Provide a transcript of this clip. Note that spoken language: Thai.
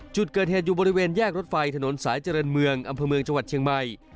จุดเกิดเหตุอยู่บริเวณแยกรถไฟถนนสายเจริญเมืองอำเภอเมืองจังหวัดเชียงใหม่